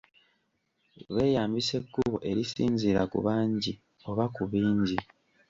Beeyambisa ekkubo erisinziira ku bangi oba ku bingi.